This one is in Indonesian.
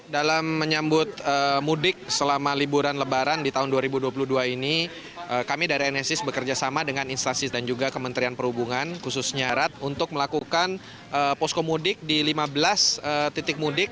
dalam menyambut mudik selama liburan lebaran di tahun dua ribu dua puluh dua ini kami dari nsis bekerjasama dengan instansi dan juga kementerian perhubungan khususnya rad untuk melakukan poskomudik di lima belas titik mudik